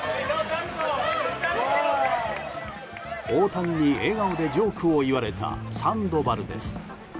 大谷に笑顔でジョークを言われたサンドバルです。